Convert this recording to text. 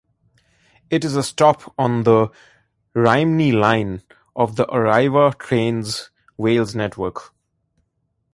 It is a stop on the Rhymney Line of the Arriva Trains Wales network.